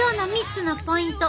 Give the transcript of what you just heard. ３つのポイント？